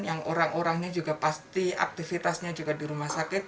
yang orang orangnya juga pasti aktivitasnya juga di rumah sakit